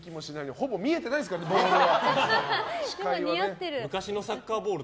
ほぼ見えてないですからボールが。